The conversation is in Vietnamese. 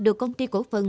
được công ty cổ phần